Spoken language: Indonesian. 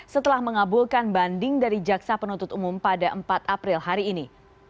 setelah mengabulkan banding dari jaksa penuntut umum pada empat april hari ini